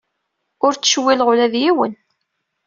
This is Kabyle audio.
Ur ttcewwileɣ ula d yiwen.